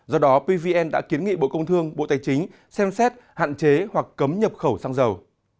do đó pvn đã kiến nghị bộ công thương bộ tài chính xem xét hạn chế hoặc cấm nhập khẩu xăng dầu